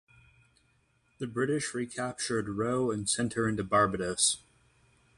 The British recaptured "Roe" and sent her into Barbados.